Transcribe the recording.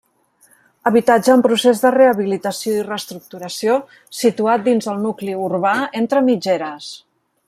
Habitatge en procés de rehabilitació i reestructuració, situat dins del nucli urbà, entre mitgeres.